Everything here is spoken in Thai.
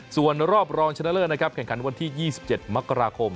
ส่วนรอบรองชนะเลิศนะครับแข่งขันวันที่๒๗มกราคม